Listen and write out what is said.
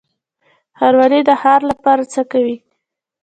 ښاروالي د ښار لپاره څه کوي؟